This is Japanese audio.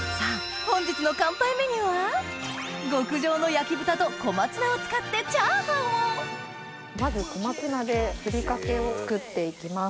さぁ極上の焼豚と小松菜を使ってチャーハンをまず小松菜でふりかけを作っていきます。